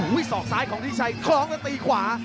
ศอกซ้ายของพี่ชัยคล้องแล้วตีขวา